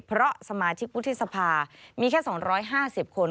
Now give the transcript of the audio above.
เพราะสมาชิกวุฒิสภามีแค่๒๕๐คน